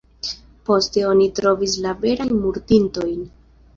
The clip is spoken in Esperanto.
Poste oni trovis la verajn murdintojn.